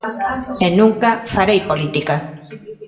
E nunca farei política.